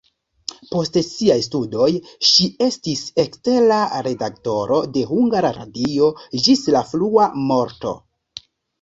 Post siaj studoj ŝi estis ekstera redaktoro de Hungara Radio ĝis la frua morto.